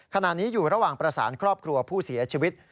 ขณะนี้อยู่ระหว่างประสานครอบครัวผู้เสียชีวิต